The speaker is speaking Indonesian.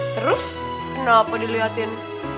terus kenapa dilihatin